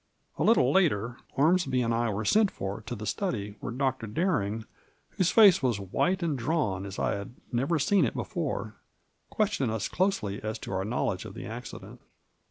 A little later Ormsby and I were sent for to the study, where Dr. Bering, whose face was white and drawn as I had never seen it before, questioned us closely as to our knowledge of the accident.